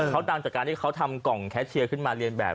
เขาดังจากการที่เขาทำกล่องแคชเชียร์ขึ้นมาเรียนแบบ